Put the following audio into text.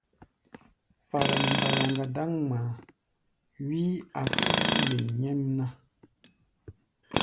Fara nɛ mbayaŋa dáŋ ŋmaá, wíí-a kíí wen nyɛmná.